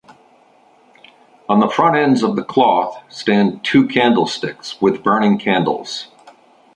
On the front ends of the cloth stand two candlesticks with burning candles.